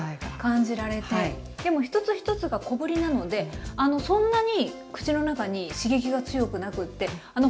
でも一つ一つが小ぶりなのでそんなに口の中に刺激が強くなくて程よい。